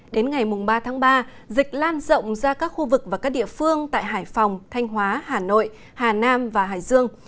đến ngày ba tháng ba dịch lan rộng ra các khu vực và các địa phương tại hải phòng thanh hóa hà nội hà nam và hải dương